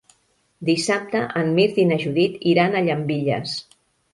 Dissabte en Mirt i na Judit iran a Llambilles.